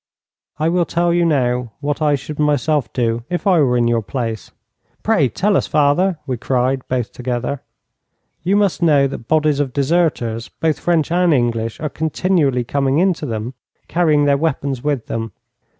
I will tell you now what I should myself do if I were in your place.' 'Pray tell us, father,' we cried, both together. 'You must know that bodies of deserters, both French and English, are continually coming in to them, carrying their weapons with them.